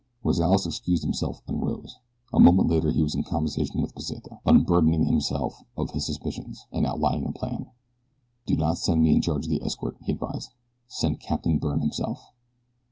Rozales excused himself and rose. A moment later he was in conversation with Pesita, unburdening himself of his suspicions, and outlining a plan. "Do not send me in charge of the escort," he advised. "Send Captain Byrne himself."